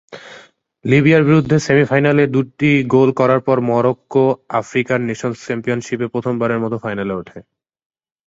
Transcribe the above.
লিবিয়ার বিরুদ্ধে সেমি-ফাইনালে দুটি গোল করার পর, মরক্কো আফ্রিকান নেশন্স চ্যাম্পিয়নশিপে প্রথমবারের মতো ফাইনালে উঠে।